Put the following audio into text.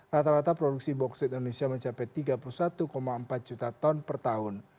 rata rata produksi boksit indonesia mencapai tiga puluh satu empat juta ton per tahun